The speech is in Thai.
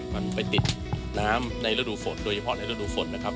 มันไปติดน้ำในฤดูฝนโดยเฉพาะในฤดูฝนนะครับ